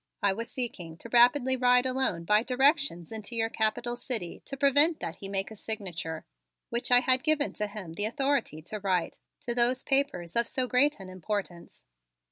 I was seeking to rapidly ride alone by directions into your Capital city to prevent that he make a signature, which I had given to him the authority to write, to those papers of so great an importance.